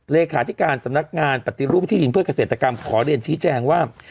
เลขาธิการสำนักงานปฏิรูปที่ดินเพื่อเกษตรกรรมขอเรียนชี้แจงว่า